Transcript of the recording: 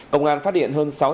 công an phát hiện hơn